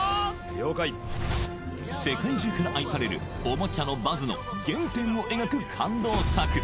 了解世界中から愛されるおもちゃのバズの原点を描く感動作